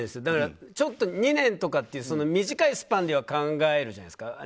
だから、ちょっと２年とかっていう短いスパンでは考えるじゃないですか。